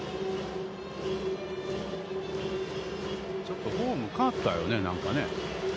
ちょっとフォーム変わったよね、なんかね。